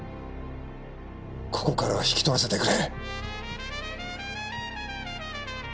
ここからは引き取らせてくれ。